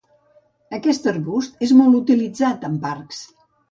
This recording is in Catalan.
Aquest arbust és molt utilitzat en parcs.